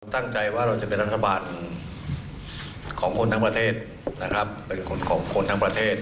ตั้งใจว่าเราจะเป็นรัฐบาลของคนทั้งประเทศนะครับเป็นคนของคนทั้งประเทศ